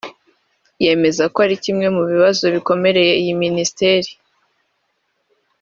yemeza ko ari kimwe mu bibazo bikomereye iyi minisiteri